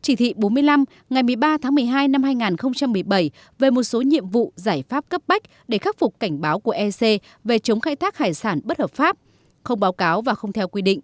chỉ thị bốn mươi năm ngày một mươi ba tháng một mươi hai năm hai nghìn một mươi bảy về một số nhiệm vụ giải pháp cấp bách để khắc phục cảnh báo của ec về chống khai thác hải sản bất hợp pháp không báo cáo và không theo quy định